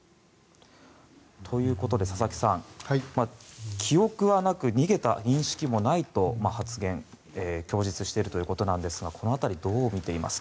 ということで佐々木さん記憶はなく、逃げた認識もないと供述しているということなんですがこの辺り、どう見ていますか。